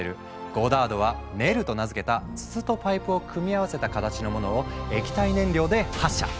ゴダードは「ネル」と名付けた筒とパイプを組み合わせた形のものを液体燃料で発射。